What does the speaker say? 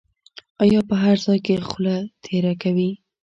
په هر ځای کې خوله تېره کوي.